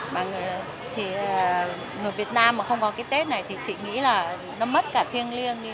mà thì người việt nam mà không có cái tết này thì chị nghĩ là nó mất cả thiêng liêng